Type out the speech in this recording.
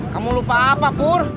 kamu lupa apa pur